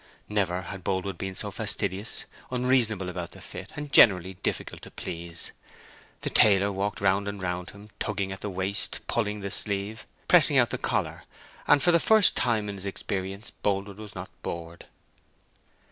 Never had Boldwood been so fastidious, unreasonable about the fit, and generally difficult to please. The tailor walked round and round him, tugged at the waist, pulled the sleeve, pressed out the collar, and for the first time in his experience Boldwood was not bored.